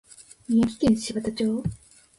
宮城県柴田町